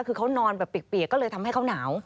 คือเขานอนแบบเปียกก็เลยทำให้เขาหนาว